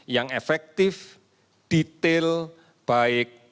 yang efektif detail baik